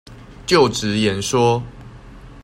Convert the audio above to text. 就職演說